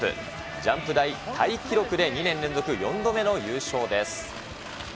ジャンプ台タイ記録で２年連続４度目の優勝です。